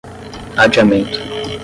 adiamento